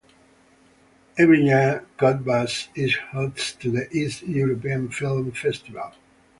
Every year Cottbus is host to the East European Film Festival.